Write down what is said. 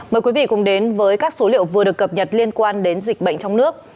mời quý vị cùng đến với các số liệu vừa được cập nhật liên quan đến dịch bệnh trong nước